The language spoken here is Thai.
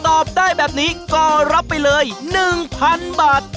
ตอบได้แบบนี้ก็รับไปเลย๑๐๐๐บาท